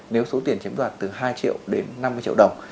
nếu số tiền chiếm đoạt từ hai triệu đến năm mươi triệu đồng